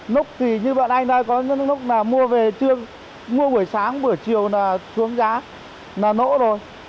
lúc thì như bạn anh nói có những lúc mà mua về trưa mua buổi sáng buổi chiều là xuống giá là nỗ rồi